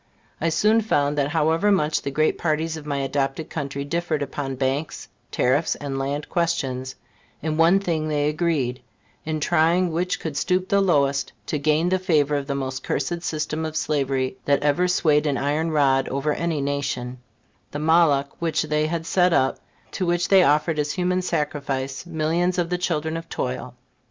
I soon found that however much the great parties of my adopted country differed upon banks, tariffs and land questions, in one thing they agreed, in trying which could stoop the lowest to gain the favor of the most cursed system of slavery that ever swayed an iron rod over any nation, the Moloch which they had set up, to which they offered as human sacrifice millions of the children of toil.